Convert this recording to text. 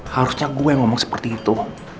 harusnya gue ngomong seperti itu